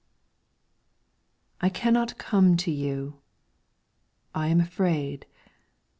I CANNOT come to you. I am afraid.